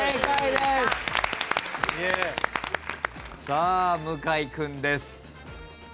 さあ向井君です。